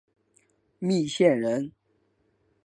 密县人。